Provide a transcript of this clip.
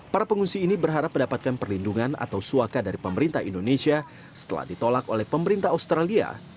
para pengungsi ini berharap mendapatkan perlindungan atau suaka dari pemerintah indonesia setelah ditolak oleh pemerintah australia